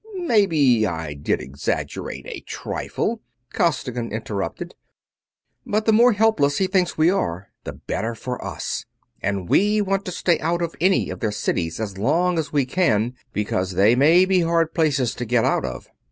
"Maybe I did exaggerate a trifle," Costigan interrupted, "but the more helpless he thinks we are the better for us. And we want to stay out of any of their cities as long as we can, because they may be hard places to get out of.